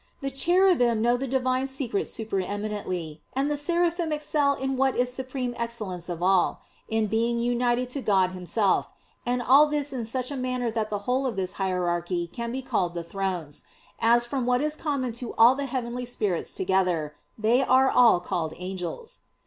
The "Cherubim" know the Divine secrets supereminently; and the "Seraphim" excel in what is the supreme excellence of all, in being united to God Himself; and all this in such a manner that the whole of this hierarchy can be called the "Thrones"; as, from what is common to all the heavenly spirits together, they are all called "Angels."